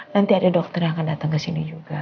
nanti ada dokter yang akan datang kesini juga